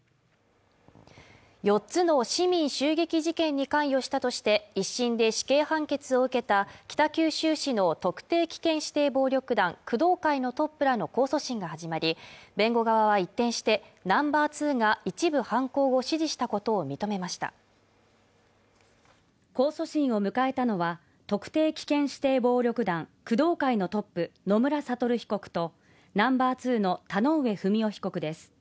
４つの市民襲撃事件に関与したとして１審で死刑判決を受けた北九州市の特定危険指定暴力団工藤会のトップらの控訴審が始まり弁護側は一転してナンバー２が一部犯行を指示したことを認めました控訴審を迎えたのは特定危険指定暴力団工藤会のトップ野村悟被告とナンバー２の田上不美夫被告です